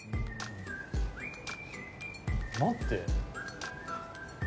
待って。